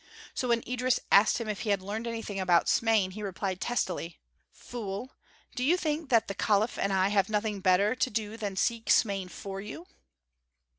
So when Idris asked him if he had learned anything about Smain, he replied testily: "Fool, do you think that the caliph and I have nothing better to do than to seek Smain for you?"